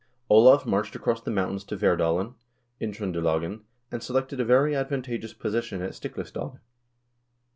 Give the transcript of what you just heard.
Olav marched across the mountains to Vserdalen in Tr0ndelagen, and selected a very advantageous position at Stiklestad.